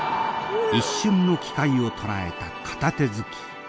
一瞬の機会をとらえた片手突き。